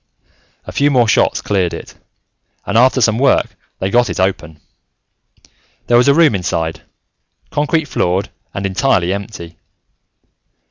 A few more shots cleared it, and after some work, they got it open. There was a room inside, concrete floored and entirely empty.